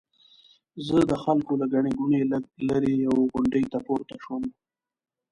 زه د خلکو له ګڼې ګوڼې لږ لرې یوې غونډۍ ته پورته شوم.